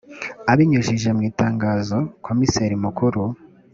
abinyujije mu itangazo komiseri mukuru